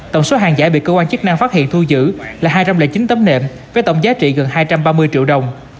tổng số hàng giả bị cơ quan chức năng phát hiện thu giữ là hai trăm linh chín tấm nệm với tổng giá trị gần hai trăm ba mươi triệu đồng